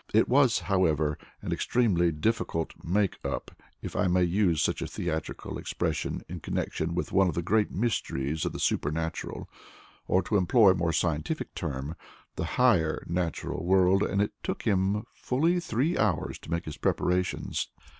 It was, however, an extremely difficult "make up," if I may use such a theatrical expression in connection with one of the greatest mysteries of the supernatural, or, to employ a more scientific term, the higher natural world, and it took him fully three hours to make his preparations.